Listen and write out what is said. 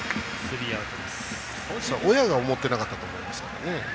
親が思ってなかったと思います。